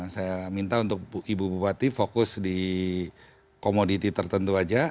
saya minta untuk ibu bupati fokus di komoditi tertentu saja